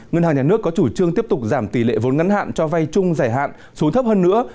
ngân hàng nhà nước có chủ trương tiếp tục giảm tỷ lệ vốn ngắn hạn cho vay chung giải hạn xuống thấp hơn nữa